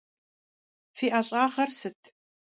Фи ӏэщӏагъэр сыт?